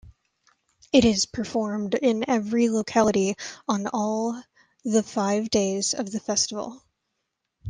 It is performed in every locality on all the five days of the festival.